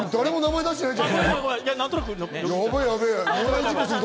誰も名前出してないじゃん。